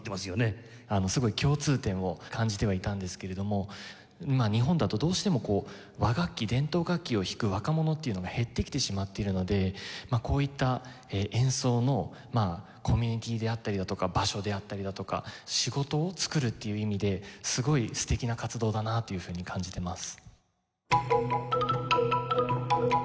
すごい共通点を感じてはいたんですけれども日本だとどうしてもこう和楽器伝統楽器を弾く若者っていうのが減ってきてしまっているのでこういった演奏のコミュニティーであったりだとか場所であったりだとか仕事をつくるっていう意味ですごい素敵な活動だなというふうに感じてます。